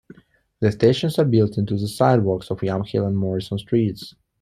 The stations are built into the sidewalks of Yamhill and Morrison Streets.